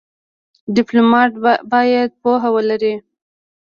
ډيپلومات باید پوهه ولري.